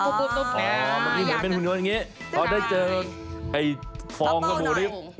อ๋อเมื่อกี้เหมือนเป็นหุ่นโยนอย่างเงี้ยเพราะได้เจอไอฟองกระโบดิบ